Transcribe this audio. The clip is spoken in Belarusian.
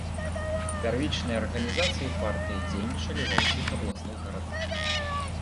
Пярвічныя арганізацыі партыі дзейнічалі ва ўсіх абласных гарадах.